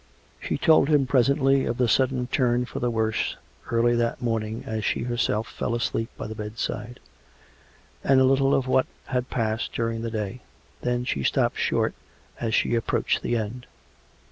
She told him presently of the sudden turn for the worse early that morning as she herself fell asleep by the bed side ; and a little of what had passed during the day. Then she stopped short as she approached the end.